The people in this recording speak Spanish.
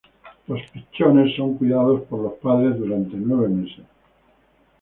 Los pichones son cuidados por los padres durante nueve meses.